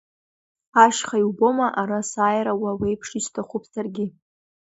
Ашьха, иубома ара сааира уа уеиԥш исҭахуп саргьы.